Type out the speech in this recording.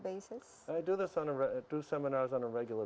saya melakukan seminar secara regular